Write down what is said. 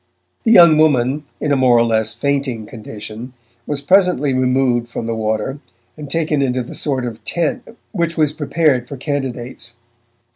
The young woman, in a more or less fainting condition, was presently removed from the water, and taken into the sort of tent which was prepared for candidates.